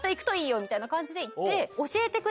みたいな感じで行って。